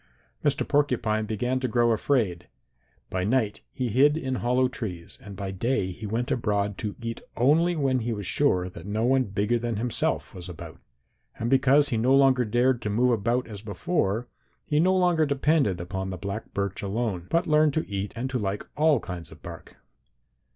Mr. Porcupine began to grow afraid. By night he hid in hollow trees and by day he went abroad to eat only when he was sure that no one bigger than himself was about. And because he no longer dared to move about as before, he no longer depended upon the black birch alone, but learned to eat and to like all kinds of bark.